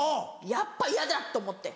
やっぱ嫌だと思って。